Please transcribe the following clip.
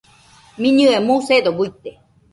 Miñɨe musedo guite